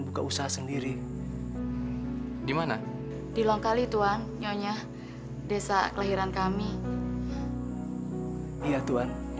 buat tarik orangnya di sini bu